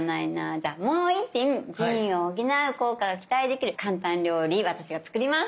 じゃあもう１品腎を補う効果が期待できる簡単料理私が作ります。